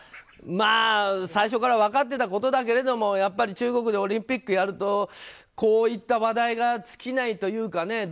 最初から分かってたことだけど中国でオリンピックをやるとこういった話題が尽きないというかね。